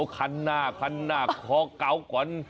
คันหน้าคันหน้าคอเกาก่อน